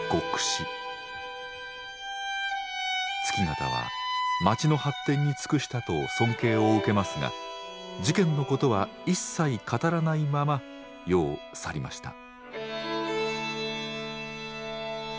月形は町の発展に尽くしたと尊敬を受けますが事件のことは一切語らないまま世を去りました。